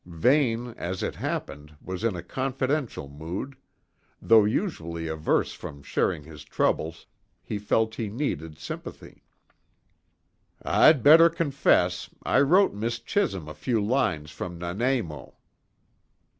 Vane, as it happened, was in a confidential mood; though usually averse from sharing his troubles, he felt he needed sympathy. "I'd better confess I wrote Miss Chisholm a few lines from Nanaimo."